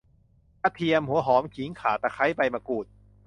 กระเทียม หัวหอม ขิง ข่า ตะไคร้ ใบมะกรูด